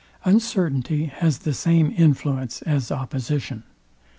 Uncertainty has the same influence as opposition.